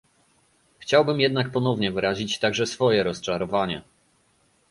Chciałbym jednak ponownie wyrazić także swoje rozczarowanie